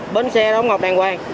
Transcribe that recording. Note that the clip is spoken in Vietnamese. bến xe đống ngọc đàng hoàng